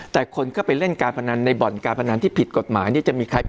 แต่คนก็ไปเล่นการพนันในบ่อนการพนันที่ผิดกฎหมายนี่จะมีใคร